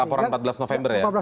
laporan empat belas november ya